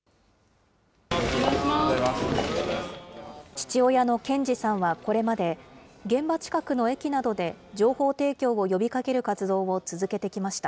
父親の賢二さんはこれまで、現場近くの駅などで情報提供を呼びかける活動を続けてきました。